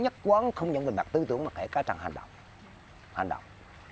chất quán không nhận về mặt tư tưởng mà kể cả trang hành động